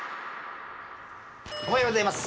おはようございます。